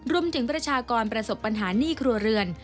ประชากรประสบปัญหาหนี้ครัวเรือน